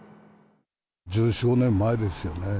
１４、５年前ですよね。